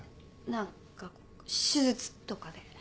何か手術とかで。